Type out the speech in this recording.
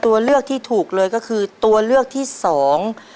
ตัวเลือกที่ถูกเลยก็คือตัวเลือกที่สอง